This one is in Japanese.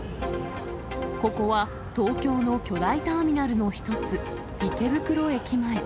ここは東京の巨大ターミナルの一つ、池袋駅前。